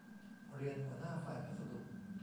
เรียน หัวหน้าฝ่ายพัสดุ